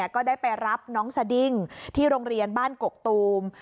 ก็ได้ไปรับน้องสดิ้งที่โรงเรียนบ้านกกตูม